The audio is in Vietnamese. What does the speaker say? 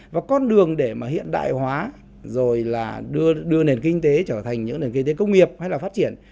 và con đường để mà hiện đại hóa rồi là đưa nền kinh tế trở thành những nền kinh tế công nghiệp hay là phát triển